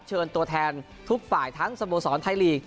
เชิญตัวแทนทุกฝ่ายทั้งสโมสรไทยลีก